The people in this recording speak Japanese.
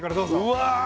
うわ！